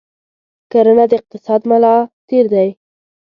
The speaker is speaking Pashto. کرنه د اقتصاد ملا تیر دی.